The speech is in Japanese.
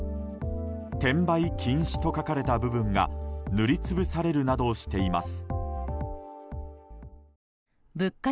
「転売禁止」と書かれた部分が塗り潰されるなどしています。